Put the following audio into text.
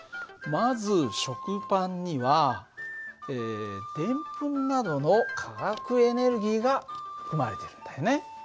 まず食パンにはデンプンなどの化学エネルギーが含まれてるんだよね。